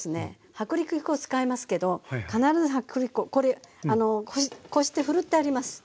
薄力粉使いますけど必ず薄力粉これこしてふるってあります。